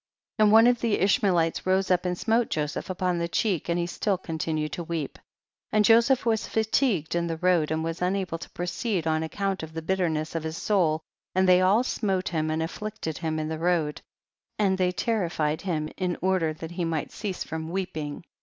27. And one of the Ishmaelites rose vip and smote Joseph upon the cheek, and still he continued to weep ;. and Joseph was fatigued in the road^ and was unable to proceed on account of the bitterness of his soul, and they all smote him and afflicted him in the road, and they terrified him in order that he might cease from weeping.